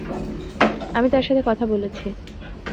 আমি তার সাথে কথা বলেছি।